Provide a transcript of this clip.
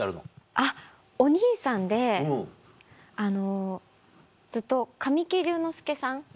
あっお兄さんであのずっと神木隆之介さん